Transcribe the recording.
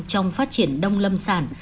trong phát triển đông lâm sản